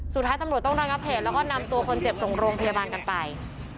สุดท้ายตำรวจต้องระงับเหตุแล้วก็นำตัวคนเจ็บส่งโรงพยาบาลกันไป